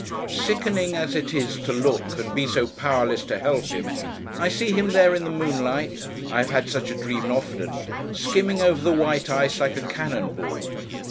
Sickening as it is to look, and be so powerless to help him, I see him there, in the moonlight—I have had such a dream often—skimming over the white ice, like a cannon ball.